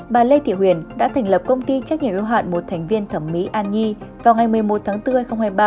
bà lê thị huyền đã thành lập công ty trách nhiệm yêu hạn một thành viên thẩm mỹ an nhi vào ngày một mươi một tháng bốn hai nghìn hai mươi ba